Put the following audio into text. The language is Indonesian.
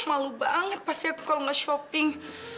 malu banget pasti aku kalau nge shopping